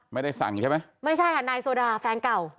ไม่ได้สั่งใช่ไหมไม่ใช่ค่ะนายโซดาแฟนเก่า